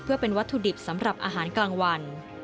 เพื่อเป็นวัตถุดิบสำหรับอาหารกลางวัน